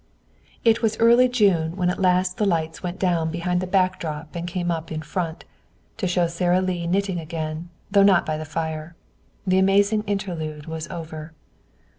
XXIV It was early in June when at last the lights went down behind the back drop and came up in front, to show Sara Lee knitting again, though not by the fire. The amazing interlude was over.